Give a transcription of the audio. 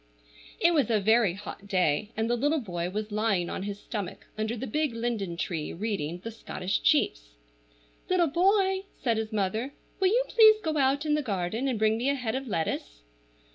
IT was a very hot day, and the little boy was lying on his stomach under the big linden tree, reading the "Scottish Chiefs." "Little Boy," said his mother, "will you please go out in the garden and bring me a head of lettuce?"